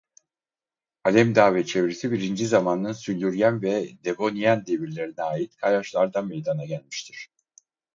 Alemdağı ve çevresi Birinci Zaman'ın Silüryen ve Devoniyen devirlerine ait kayaçlardan meydana gelmiştir.